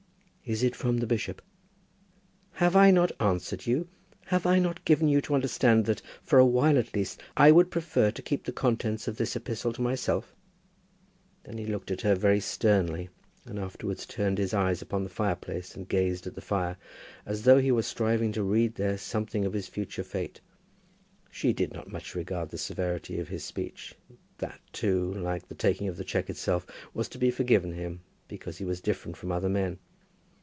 "Is it from the bishop?" "Have I not answered you? Have I not given you to understand that, for a while at least, I would prefer to keep the contents of this epistle to myself?" Then he looked at her very sternly, and afterwards turned his eyes upon the fireplace and gazed at the fire, as though he were striving to read there something of his future fate. She did not much regard the severity of his speech. That, too, like the taking of the cheque itself, was to be forgiven him, because he was different from other men.